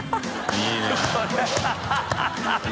いいね。